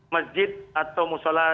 masjid atau musyola